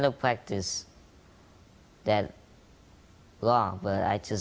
saya tidak berlatih dengan salah